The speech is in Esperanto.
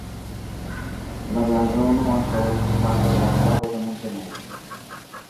La blazono ankaŭ estas parto de la flago de Montenegro.